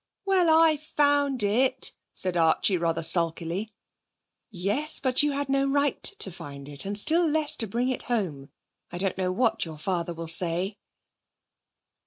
'Well, I found it,' said Archie rather sulkily. 'Yes; but you had no right to find it, and still less to bring it home. I don't know what your father will say.'